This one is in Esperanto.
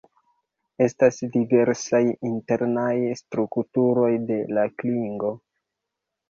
Estas diversaj internaj strukturoj de la klingo.